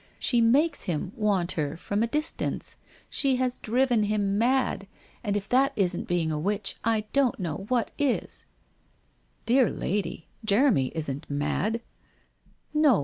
She makes him want her from a dis tance, she has driven him mad, and if that isn't being a witch, I don't know what is/ 1 Dear lady, Jeremy isn't mad/ ' No.